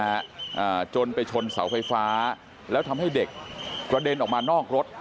อ่าจนไปชนเสาไฟฟ้าแล้วทำให้เด็กกระเด็นออกมานอกรถ